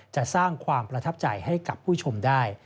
จะสร้างความประทับใจให้กับผู้ชมได้